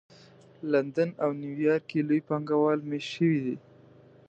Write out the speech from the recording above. لندن او نیویارک کې لوی پانګه وال مېشت شوي دي